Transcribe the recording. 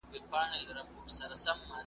غوایي بار ته سي او خره وکړي ښکرونه `